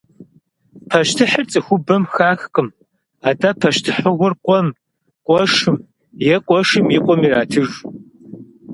Пащтыхьыр цӏыхубэм хахкъым, атӏэ пащтыхьыгъуэр къуэм, къуэшым е къуэшым и къуэм иратыж.